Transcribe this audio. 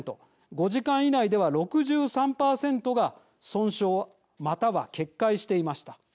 ５時間以内では６３％が損傷または決壊していました。